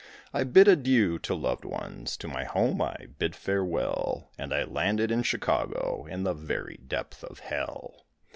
I bid adieu to loved ones, To my home I bid farewell, And I landed in Chicago In the very depth of hell.